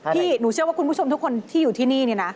พี่หนูเชื่อว่าคุณผู้ชมทุกคนที่อยู่ที่นี่เนี่ยนะ